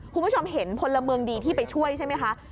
คุณผู้ชมเห็นพลเมืองดีที่ไปช่วยใช่ไหมคะ